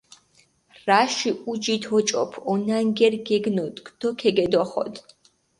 რაში ჸუჯით ოჭოფჷ, ონანგერი გეგნოდგჷ დო ქეგედოხოდჷ.